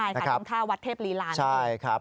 ใช่ค่ะตรงท่าวัดเทพรีราณนี้ใช่ครับ